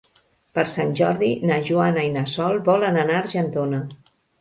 Per Sant Jordi na Joana i na Sol volen anar a Argentona.